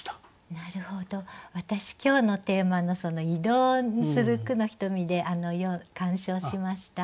なるほど私今日のテーマの「移動する『句のひとみ』」で鑑賞しました。